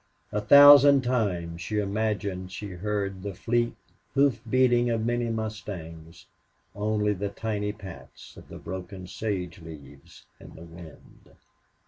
A thousand times she imagined she heard the fleet hoof beating of many mustangs. Only the tiny pats of the broken sage leaves in the wind!